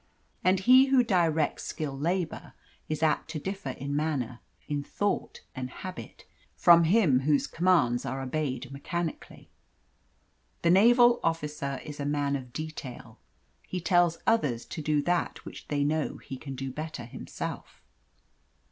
And he who directs skilled labour is apt to differ in manner, in thought and habit, from him whose commands are obeyed mechanically. The naval officer is a man of detail he tells others to do that which they know he can do better himself.